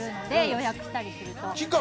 予約したりすると。